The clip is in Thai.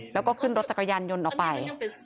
แล้วก็ขึ้นรถจักรยานยนต์ออกไป